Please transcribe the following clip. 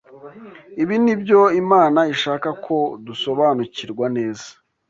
Ibi ni byo Imana ishaka ko dusobanukirwa neza